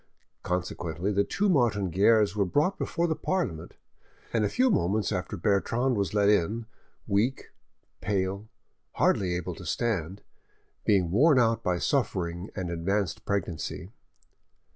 Consequently the two Martin Guerres were brought before the Parliament, and a few moments after Bertrande was led in, weak, pale, hardly able to stand, being worn out by suffering and advanced pregnancy.